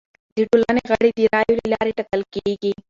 د ټولنې غړي د رایو له لارې ټاکل کیږي.